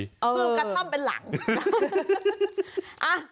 ปลูกกัดค่อมเป็นหลัง